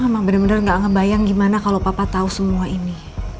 emang bener bener gak ngebayang gimana kalau papa tahu semua ini